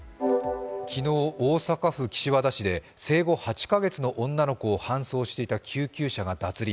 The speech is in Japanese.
昨日、大阪府岸和田市で生後８か月の女の子を搬送していた救急車が脱輪。